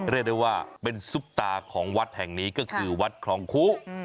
เรียกได้ว่าเป็นซุปตาของวัดแห่งนี้ก็คือวัดคลองคุ